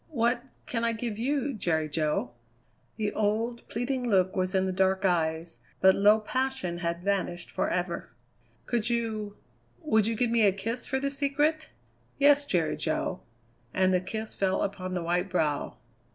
"What can I give you, Jerry Jo?" The old, pleading look was in the dark eyes, but low passion had vanished forever. "Could you would you give me a kiss for the secret?" "Yes, Jerry Jo," and the kiss fell upon the white brow.